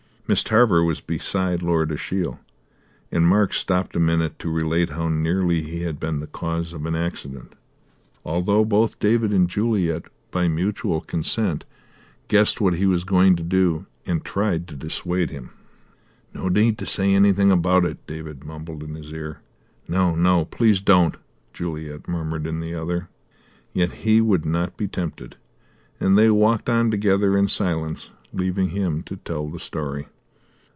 Miss Tarver was beside Lord Ashiel, and Mark stopped a minute to relate how nearly he had been the cause of an accident, although both David and Juliet, by mutual consent, guessed what he was going to do, and tried to dissuade him. "No need to say anything about it," David mumbled in his ear. "No, no, don't, please," Juliet murmured in the other. Yet he would not be tempted, and they walked on together in silence, leaving him to tell the story.